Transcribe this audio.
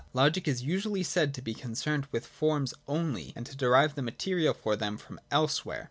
Logic is usually said to be concerned with forms only and to derive the material for them from elsewhere.